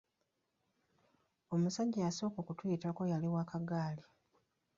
Omusajja eyasooka okutuyitako yali wa kagaali.